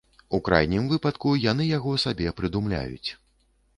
У крайнім выпадку, яны яго сабе прыдумляюць.